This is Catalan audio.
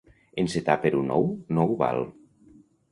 Encetar per un ou, no ho val.